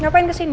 ngapain ke sini